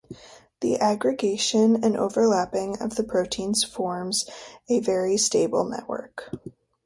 The aggregation and overlapping of the proteins forms a very stable network.